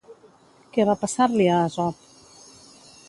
Què va passar-li a Asop?